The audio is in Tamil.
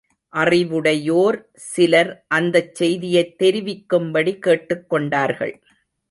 அறிவுடையோர் சிலர், அந்தச் செய்தியை தெரிவிக்கும்படி கேட்டுக் கொண்டார்கள்.